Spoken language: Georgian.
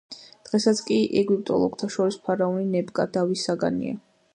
დღესაც კი ეგვიპტოლოგთა შორის ფარაონი ნებკა დავის საგანია.